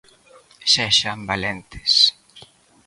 ¡Sexan valentes!